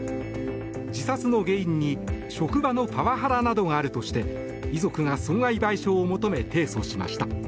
自殺の原因に職場のパワハラなどがあるとして遺族が損害賠償を求め提訴しました。